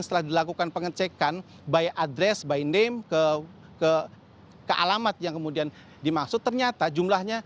setelah dilakukan pengecekan by address by name ke alamat yang kemudian dimaksud ternyata jumlahnya